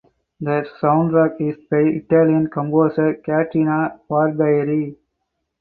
The soundtrack is by Italian composer Caterina Barbieri.